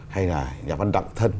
hay là nhà văn đặng thân